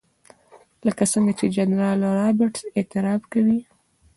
لکه څنګه چې جنرال رابرټس اعتراف کوي.